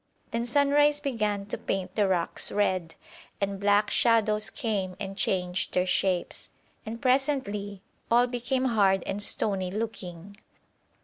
Then sunrise began to paint the rocks red, and black shadows came and changed their shapes, and presently all became hard and stony looking.